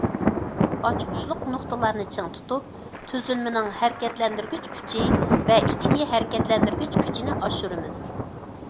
ئاچقۇچلۇق نۇقتىلارنى چىڭ تۇتۇپ، تۈزۈلمىنىڭ ھەرىكەتلەندۈرگۈچ كۈچى ۋە ئىچكى ھەرىكەتلەندۈرگۈچ كۈچىنى ئاشۇرىمىز.